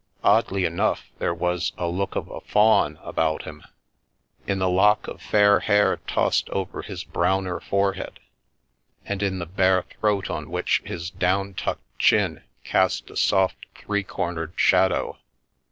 Oddly enough there was a look of a Faun about him ; in the lock of fair hair tossed across his browner forehead, and in the bare throat on which his down tucked chin cast a soft, three cornered shadow.